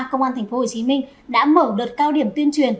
công an tp hcm đã mở đợt cao điểm tuyên truyền